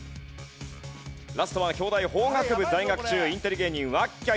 ラストは京大法学部在学中インテリ芸人わっきゃ